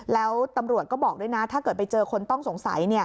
แล้วตำรวจก็บอกด้วยนะถ้าเกิดไปเจอคนต้องสงสัย